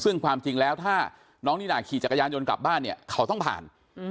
ซึ่งความจริงแล้วถ้าน้องนิน่าขี่จักรยานยนต์กลับบ้านเนี่ยเขาต้องผ่าน